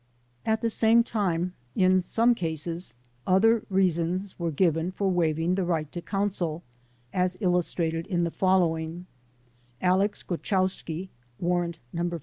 At the same time in some cases other reasons were given for waiving right to counsel, as illustrated in the following : Alex Grochowski (Warrant No.